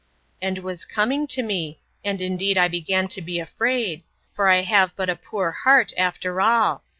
And was coming to me: And indeed I began to be afraid; for I have but a poor heart, after all.